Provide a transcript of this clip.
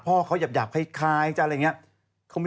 ผ่าเยี่ยมอยากให้ไขก็ไง